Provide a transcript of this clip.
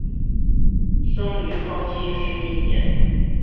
生于康熙十一年。